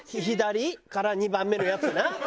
左から２番目のやつな。